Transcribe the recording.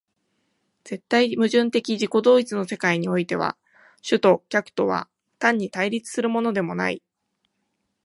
絶対矛盾的自己同一の世界においては、主と客とは単に対立するのでもない。